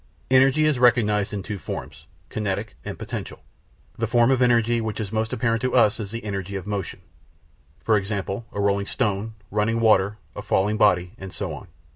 Energy is recognised in two forms, kinetic and potential. The form of energy which is most apparent to us is the energy of motion; for example, a rolling stone, running water, a falling body, and so on.